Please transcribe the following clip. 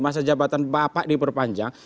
masa jabatan bapak diperpanjang